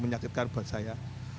menyakitkan buat saya